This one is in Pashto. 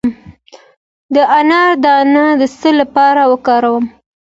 د انار دانه د څه لپاره وکاروم؟